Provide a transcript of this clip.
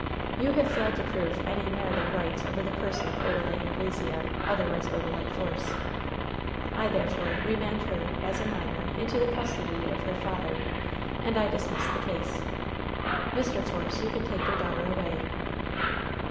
You have failed to prove any marital rights over the person of Odalite Anglesea, otherwise Odalite Force. I, there fore, remand her, as a minor, into the custody of her father, and I dismiss the case. Mr. Force, you can take your daughter away."